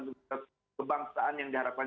dan itu kebangsaan yang diharapkan